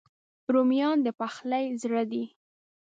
رومیان د پخلي زړه دي